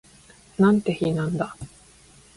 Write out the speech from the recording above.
なんて日なんだ